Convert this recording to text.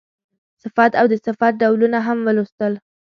صفت او د صفت ډولونه هم ولوستل.